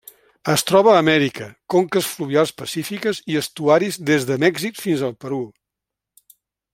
Es troba a Amèrica: conques fluvials pacífiques i estuaris des de Mèxic fins al Perú.